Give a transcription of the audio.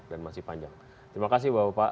dan masih panjang terima kasih bapak bapak